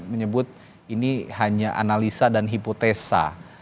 menyebut ini hanya analisa dan hipotesa